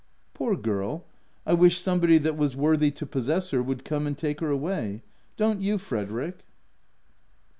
Poor girl ! I wish somebody that was worthy to possess her would come and take her away — don't you, Frederick